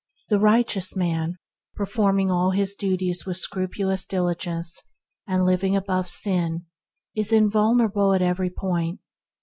The righteous man, performing all his work with scrupulous diligence, and living above sin, is invulnerable at every point.